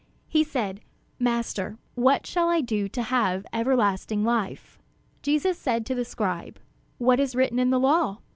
He said: "Master, what shall I do to have everlasting life?" Jesus said to the scribe: "What is written in the law?